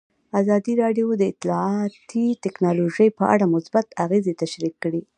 ازادي راډیو د اطلاعاتی تکنالوژي په اړه مثبت اغېزې تشریح کړي.